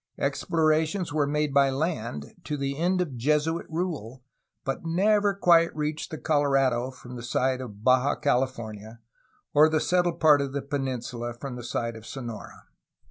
Explorations were made by land, to the end of Jesuit rule, but never quite reached the Colorado from the side of Baja California or the settled part of the peninsula from the side of Sonora.